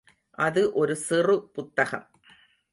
அது ஒரு சிறு புத்தகம்.